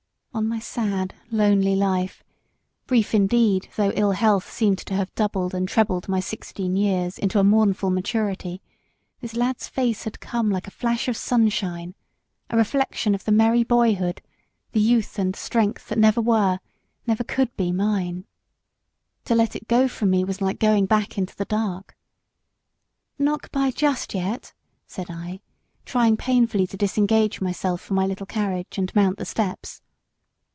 On my sad, lonely life brief indeed, though ill health seemed to have doubled and trebled my sixteen years into a mournful maturity this lad's face had come like a flash of sunshine; a reflection of the merry boyhood, the youth and strength that never were, never could be, mine. To let it go from me was like going back into the dark. "Not good bye just yet!" said I, trying painfully to disengage myself from my little carriage and mount the steps.